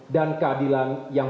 dan keadilan yang